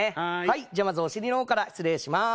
じゃあまずお尻の方から失礼します。